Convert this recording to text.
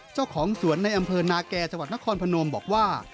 เจ้าของสวนในอำเภอนาแก่จังหวัดนครพนมบอกว่า